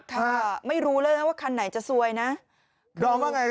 ค่ะไม่รู้เลยนะว่าคันไหนจะซวยนะร้องว่าไง